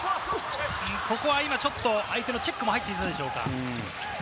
ここはちょっと相手のチェックも入っていたでしょうか。